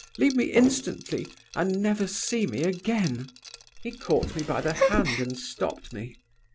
Leave me instantly, and never see me again!' "He caught me by the hand and stopped me.